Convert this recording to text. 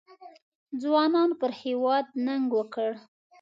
ځوانانو پر هېواد ننګ وکړ.